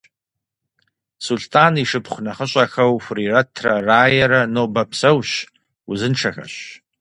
Сулътӏан и шыпхъу нэхъыщӏэхэу Хурирэтрэ Раерэ нобэ псэущ, узыншэхэщ.